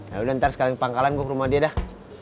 yaudah ntar sekalian ke pangkalan gua ke rumah dia dah